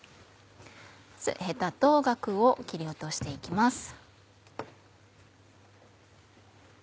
ヘタとガクを切り落として行きます。